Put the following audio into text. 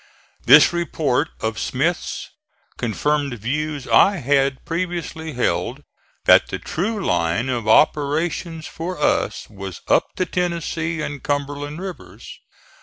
This report of Smith's confirmed views I had previously held, that the true line of operations for us was up the Tennessee and Cumberland rivers.